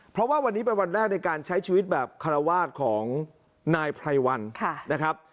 เพราะว่าวันนี้เป็นวันแรกในการใช้ชีวิตแบบคารวาสของนายไพรวันนะครับ